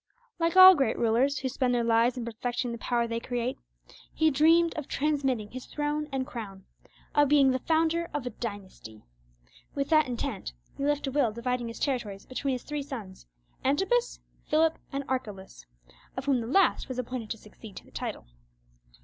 Like all great rulers who spend their lives in perfecting the power they create, he dreamed of transmitting his throne and crown—of being the founder of a dynasty. With that intent, he left a will dividing his territories between his three sons, Antipas, Philip, and Archelaus, of whom the last was appointed to succeed to the title.